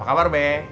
apa kabar be